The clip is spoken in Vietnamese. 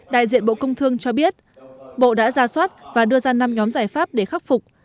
đại diện bộ công thương cho biết bộ đã ra soát và đưa ra năm nhóm giải pháp để khắc phục